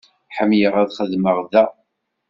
Ḥemmleɣ ad xedmeɣ da.